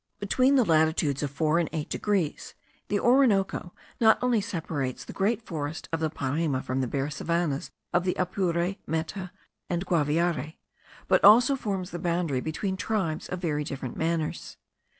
Between the latitudes of 4 and 8 degrees, the Orinoco not only separates the great forest of the Parime from the bare savannahs of the Apure, Meta, and Guaviare, but also forms the boundary between tribes of very different manners.